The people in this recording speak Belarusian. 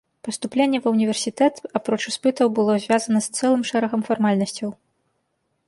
Паступленне ва ўніверсітэт, апроч іспытаў, было звязана з цэлым шэрагам фармальнасцяў.